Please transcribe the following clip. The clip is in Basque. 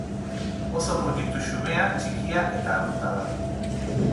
Oso proiektu xumea, txikia eta arrunta da.